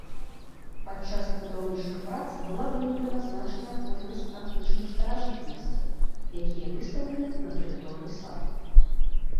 Падчас будаўнічых прац была выяўлена значная колькасць антычных старажытнасцяў, якія выстаўлены на тэрыторыі саду.